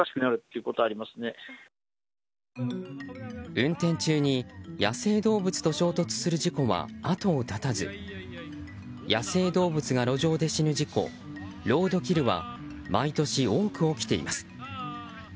運転中に、野生動物と衝突する事故は後を絶たず野生動物が路上で死ぬ事故ロードキルは毎年多く起きています。